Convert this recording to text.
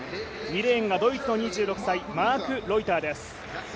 ２レーンがドイツの２６歳マーク・ロイターです。